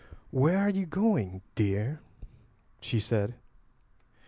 "Where are you going, dear?" she said.